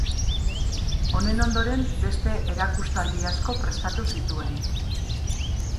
Honen ondoren beste erakustaldi asko prestatu zituen.